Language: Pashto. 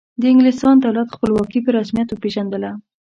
د انګلستان دولت خپلواکي په رسمیت وپیژندله.